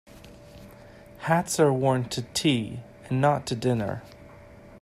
Hats are worn to tea and not to dinner.